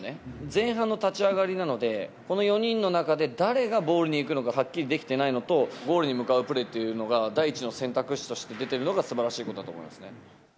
前半の立ち上がりなので、この４人の中で誰がボールに行くのか、はっきりできてないのと、ゴールに向かうプレーっていうのが、第一の選択として出ているのがすばらしいことだと思いますね。